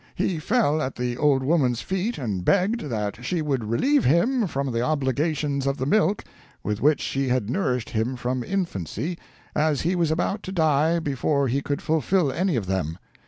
He fell at the old woman's feet and begged that she would relieve him from the obligations of the milk with which she had nourished him from infancy, as he was about to die before he could fulfill any of them.